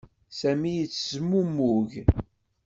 Sami yettezmumug.